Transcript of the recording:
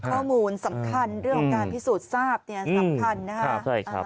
ข้อมูลสำคัญเรื่องการพิสูจน์ทราบสำคัญนะคะ